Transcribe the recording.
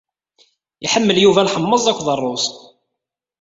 Iḥemmel Yuba lḥemmeẓ akked ṛṛuz.